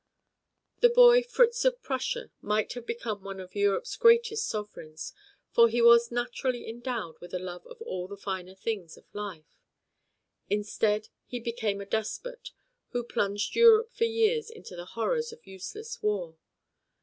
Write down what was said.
The boy Fritz of Prussia might have become one of Europe's greatest sovereigns, for he was naturally endowed with a love of all the finer things of life. Instead he became a despot who plunged Europe for years into the horrors of useless war.